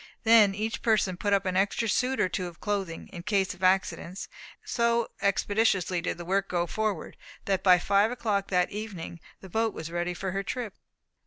Then each person put up an extra suit or two of clothing, in case of accidents. And so expeditiously did the work go forward, that by five o'clock that evening the boat was ready for her trip.